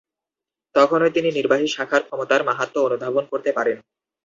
তখনই তিনি নির্বাহী শাখার ক্ষমতার মাহাত্ম্য অনুধাবন করতে পারেন।